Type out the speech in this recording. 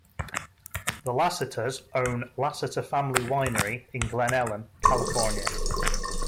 The Lasseters own Lasseter Family Winery in Glen Ellen, California.